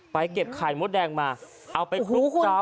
ไปเก็บไข่มดแดงมาเอาไปแล้วคลุกเขา